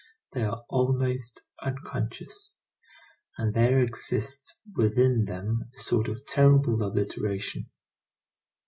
They are almost unconscious, and there exists within them a sort of terrible obliteration.